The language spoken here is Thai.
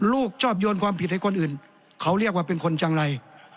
ลูกชอบโยนความผิดให้คนอื่นเขาเรียกว่าเป็นคนจังไร